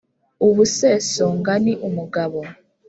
ubu sesonga ni umugabo